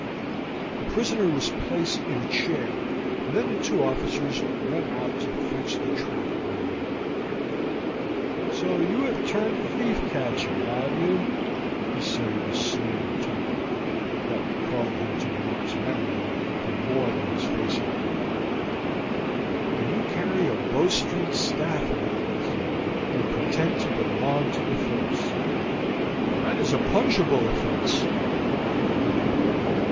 The prisoner was placed in a chair, and then the two officers went out to fetch the trap round. "So you have turned thief catcher, have you?" he said in a sneering tone, that recalled him to Mark's memory far more than his face had done, "and you carry a Bow Street staff about with you, and pretend to belong to the force: that is a punishable offense, you know."